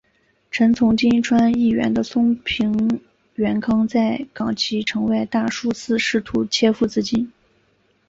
臣从今川义元的松平元康在冈崎城外大树寺试图切腹自尽。